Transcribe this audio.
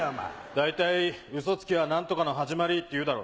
大体嘘つきは何とかの始まりっていうだろ。